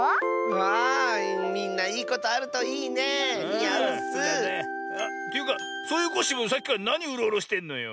あみんないいことあるといいね！にあうッス！というかそういうコッシーもさっきからなにうろうろしてんのよ。